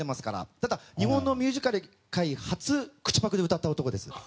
ただ、日本のミュージカル界初口パクで歌った男です。